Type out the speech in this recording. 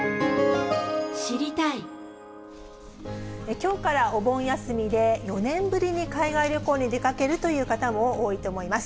きょうからお盆休みで、４年ぶりに海外旅行に出かけるという方も多いと思います。